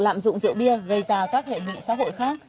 lạm dụng rượu bia gây tà tác hệ nghị xã hội khác